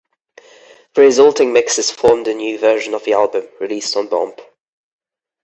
The resulting mixes formed a new version of the album, released on Bomp!